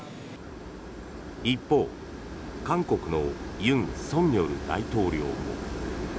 一方、韓国の尹錫悦大統領も。